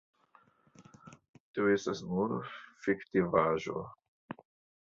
Tio estas nur fiktivaĵo.